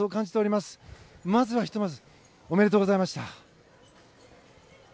まずは、ひとまずおめでとうございました。